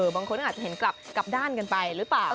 บางคนก็อาจจะเห็นกลับด้านกันไปหรือเปล่า